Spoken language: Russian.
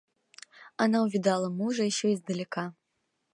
Она увидала мужа еще издалека.